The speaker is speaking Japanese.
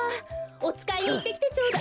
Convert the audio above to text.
おつかいにいってきてちょうだ。